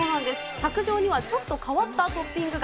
卓上にはちょっと変わったトッピングが。